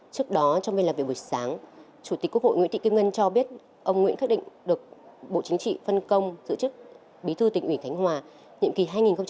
trước đó trong ngày làm việc buổi sáng chủ tịch quốc hội nguyễn thị kim ngân cho biết ông nguyễn khắc định được bộ chính trị phân công giữ chức bí thư tỉnh ủy khánh hòa nhiệm kỳ hai nghìn một mươi năm hai nghìn hai mươi